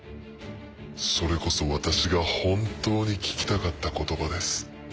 それこそ私が本当に聞きたかった言葉です。